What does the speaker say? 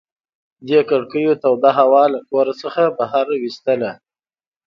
دې کړکیو توده هوا له کور څخه بهر ویستله.